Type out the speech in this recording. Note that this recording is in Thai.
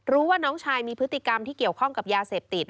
รู้ว่าน้องชายมีพฤติกรรมที่เกี่ยวข้องกับยาเสพติด